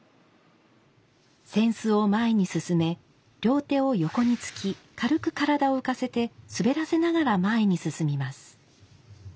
扇子を前に進め両手を横につき軽く体を浮かせて滑らせながら前に進みます。